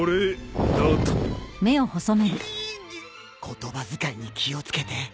言葉遣いに気を付けて。